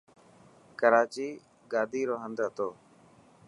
ڪراچي گادي رو هند هتو.